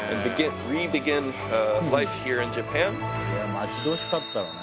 待ち遠しかったろうね。